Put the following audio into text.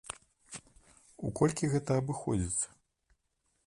У колькі гэта абыходзіцца?